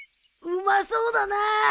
うまそうだな！